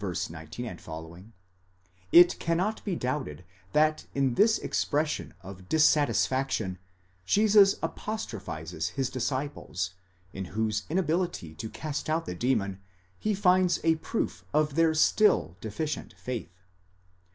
19 ff): it cannot be doubted that in this expression of dissatisfaction Jesus apostrophizes his dis ciples, in whose inability to cast out the demon, he finds a proof of their still deficient faith.